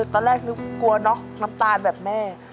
ตอนแรกนึกกลัวเนอะน้ำตาลแบบแม่